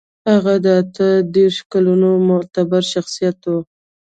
هغه د اتو دېرشو کلونو معتبر شخصيت و.